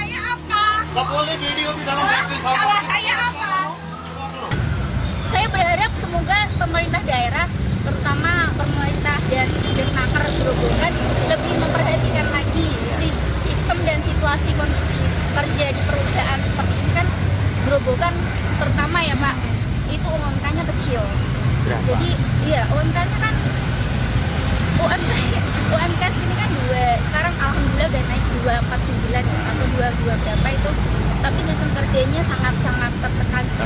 alhamdulillah udah naik dua ratus empat puluh sembilan atau dua puluh dua berapa itu tapi sistem kerjanya sangat sangat tertekan